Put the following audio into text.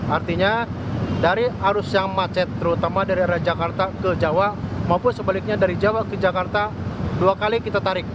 artinya dari arus yang macet terutama dari arah jakarta ke jawa maupun sebaliknya dari jawa ke jakarta dua kali kita tarik